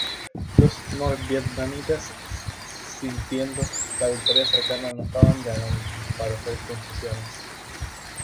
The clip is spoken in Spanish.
Los norvietnamitas, sintiendo la victoria cercana, no estaban de ánimo para hacer concesiones.